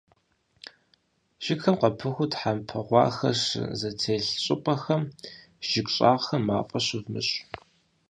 Жыгхэм къапыху тхьэмпэ гъуахэр щызэтелъ щӀыпӀэхэм, жыг щӀагъхэм мафӀэ щывмыщӀ.